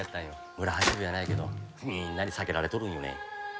村八分やないけどみんなに避けられとるんよね。